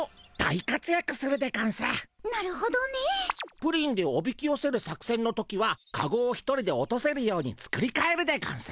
プリンでおびきよせる作せんの時はカゴを一人で落とせるように作りかえるでゴンス。